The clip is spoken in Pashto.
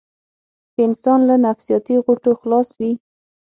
که انسان له نفسياتي غوټو خلاص وي.